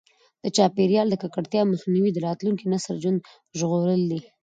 د چاپیریال د ککړتیا مخنیوی د راتلونکي نسل ژوند ژغورل دي.